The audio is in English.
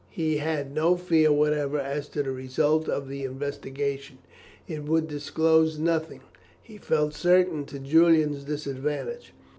He had no fear whatever as to the result of the investigation; it would disclose nothing, he felt certain, to Julian's disadvantage.